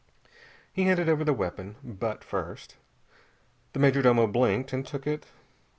He handed over the weapon, butt first. The major domo blinked, and took it.